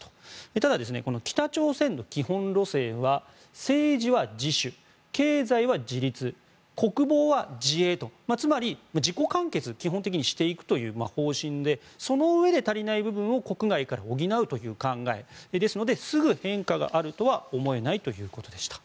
ただ、北朝鮮の基本路線は政治は自主経済は自立、国防は自衛とつまり、自己完結を基本的にしていくという方針でそのうえで足りない部分を国外から補うという考えですので、すぐ変化があるとは思えないということでした。